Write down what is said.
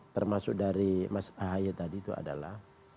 termasuk dari mas ahaye tadi itu adalah